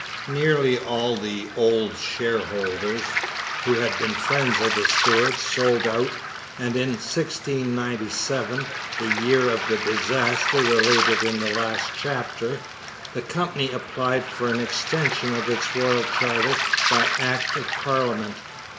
Nearly all the old shareholders, who had been friends of the Stuarts, sold out, and in 1697, the year of the disaster related in the last chapter, the Company applied for an extension of its royal charter by act of parliament.